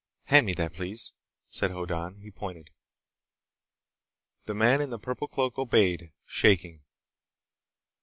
"Hand me that, please," said Hoddan. He pointed. The man in the purple cloak obeyed, shaking.